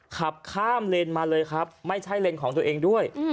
ขับข้ามเลนมาเลยครับไม่ใช่เลนส์ของตัวเองด้วย